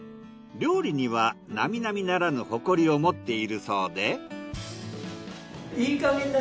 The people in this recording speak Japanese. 料理にはなみなみならぬ誇りを持っているそうで。